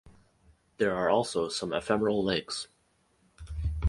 There are also some ephemeral lakes.